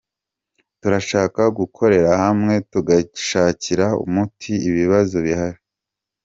Turashaka gukorera hamwe tugashakira umuti ibibazo bihari ".